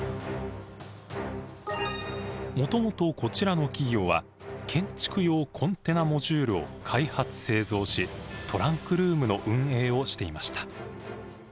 もともとこちらの企業は建築用コンテナモジュールを開発製造しトランクルームの運営をしていました。